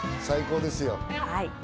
最高ですよ。